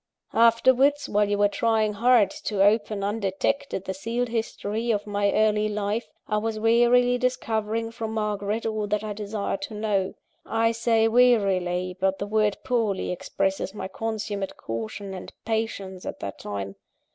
"Afterwards, while you were trying hard to open, undetected, the sealed history of my early life, I was warily discovering from Margaret all that I desired to know. I say 'warily,' but the word poorly expresses my consummate caution and patience, at that time.